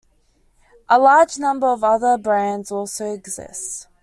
A large number of other brands also exists.